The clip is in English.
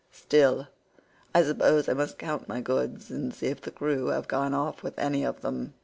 Still, I suppose I must count my goods and see if the crew have gone off with any of them."